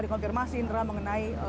dikonfirmasi indra mengenai